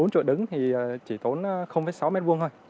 bốn chỗ đứng thì chỉ tốn sáu m hai thôi